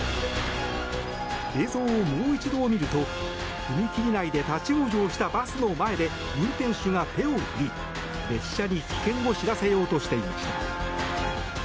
映像をもう一度見ると踏切内で立ち往生したバスの前で運転手が手を振り、列車に危険を知らせようとしていました。